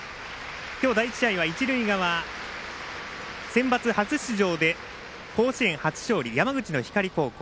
今日、第１試合は一塁側センバツ初出場で甲子園初勝利、山口の光高校。